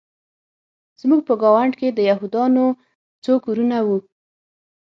زموږ په ګاونډ کې د یهودانو څو کورونه وو